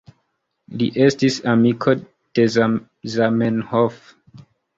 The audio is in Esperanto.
Li estis amiko de Zamenhof.